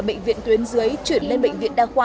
bệnh viện tuyến dưới chuyển lên bệnh viện đa khoa